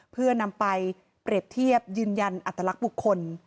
เพื่อนำไปเปรียบเทียบยืนยันอัตลักษณ์บุคคล